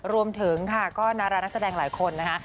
รวมถึงค่ะก็ดารานักแสดงหลายคนนะคะ